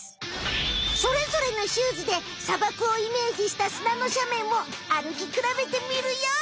それぞれのシューズで砂漠をイメージしたすなのしゃめんをあるきくらべてみるよ。